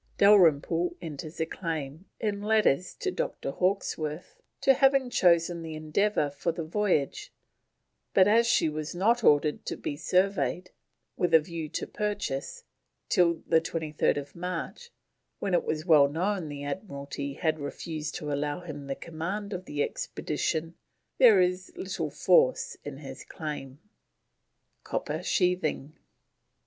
Dalrymple enters a claim, in letters to Dr. Hawkesworth, to having chosen the Endeavour for the voyage, but as she was not ordered to be surveyed, with a view to purchase, till 23rd March, when it was well known the Admiralty had refused to allow him the command of the expedition, there is little force in his claim. COPPER SHEATHING.